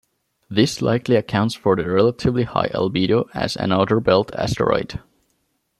This likely accounts for the relatively high albedo as an outer-belt asteroid.